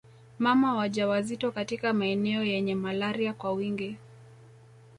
Mama wajawazito katika maeneo yenye malaria kwa wingi